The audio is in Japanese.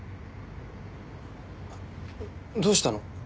どうしたの？